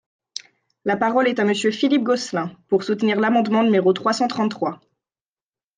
La parole est à Monsieur Philippe Gosselin, pour soutenir l’amendement numéro trois cent trente-trois.